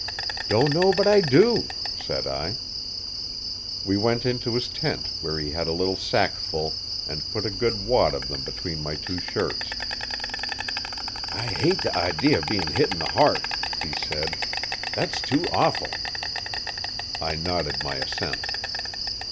'Don't know but I do,' said I. We went into his tent, where he had a little sack full, and put a good wad of them between my two shirts. 'I hate the idee o'bein'hit 'n the heart,' he said. 'That's too awful. I nodded my assent.